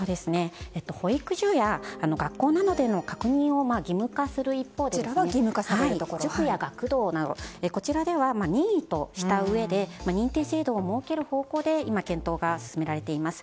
保育所や学校などでの確認を義務化する一方で塾や学童などこちらでは、任意としたうえで認定制度を設ける方向で今、検討が進められています。